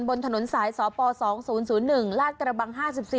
บนถนนสายสป๒๐๐๑ลาดกระบัง๕๔